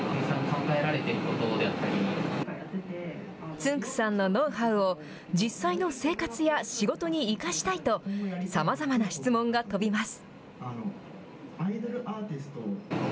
つんく♂さんのノウハウを実際の生活や仕事に生かしたいとさまざまな質問が飛びます。